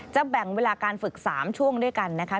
แบ่งเวลาการฝึก๓ช่วงด้วยกันนะคะ